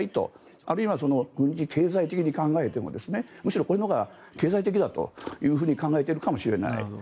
あるいは経済的に考えてもむしろこういうほうが経済的だと考えているかもしれない。